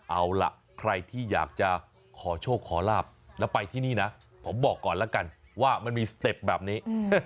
เอาล่ะใครที่อยากจะขอโชคขอลาบแล้วไปที่นี่นะผมบอกก่อนแล้วกันว่ามันมีสเต็ปแบบนี้